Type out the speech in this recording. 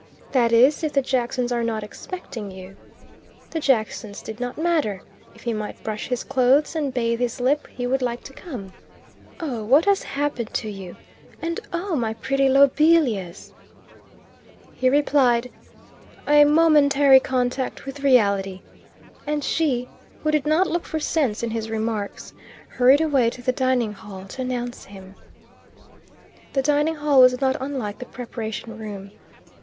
"That is, if the Jacksons are not expecting you." The Jacksons did not matter. If he might brush his clothes and bathe his lip, he would like to come. "Oh, what has happened to you? And oh, my pretty lobelias!" He replied, "A momentary contact with reality," and she, who did not look for sense in his remarks, hurried away to the dining hall to announce him. The dining hall was not unlike the preparation room.